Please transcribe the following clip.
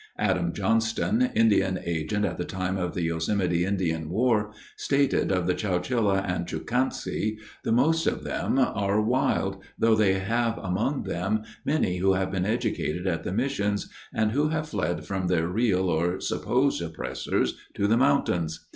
Adam Johnston, Indian agent at the time of the Yosemite Indian War, stated of the Chowchilla and Chukchansi, "The most of them are wild, though they have among them many who have been educated at the missions, and who have fled from their real or supposed oppressors to the mountains.